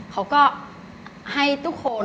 เขาก็ให้ทุกคน